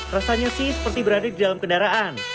rasanya sih seperti berada di dalam kendaraan